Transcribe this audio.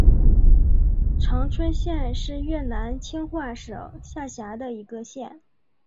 常春县是越南清化省下辖的一个县。